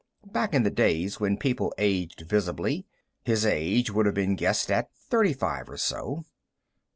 Back in the days when people aged visibly, his age would have been guessed at thirty five or so.